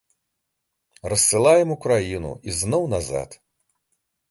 Рассылаем у краіну, ізноў назад.